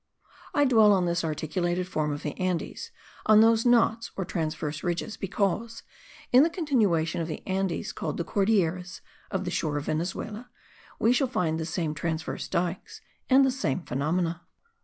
I dwell on this articulated form of the Andes, on those knots or transverse ridges, because, in the continuation of the Andes called the Cordilleras of the shore of Venezuela, we shall find the same transverse dykes, and the same phenomena.